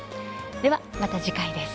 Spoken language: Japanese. では、また次回です。